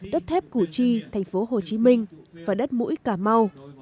đất thép củ chi thành phố hồ chí minh và đất mũi cà mau